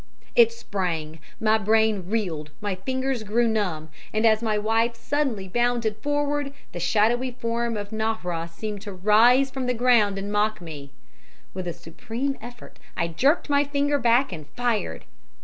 It sprang my brain reeled my fingers grew numb, and as my wife suddenly bounded forward, the shadowy form of Nahra seemed to rise from the ground and mock me. With a supreme effort I jerked my finger back and fired.